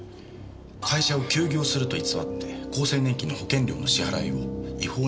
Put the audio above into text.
会社を休業すると偽って厚生年金の保険料の支払いを違法に逃れたっていう。